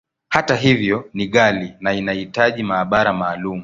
Hata hivyo, ni ghali, na inahitaji maabara maalumu.